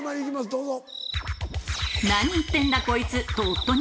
どうぞ。